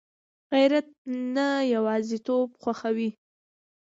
غیرت نه یوازېتوب خوښوي